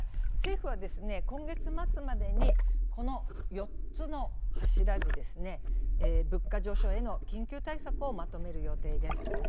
政府は、今月末までにこの４つの柱で物価上昇への緊急対策をまとめる予定です。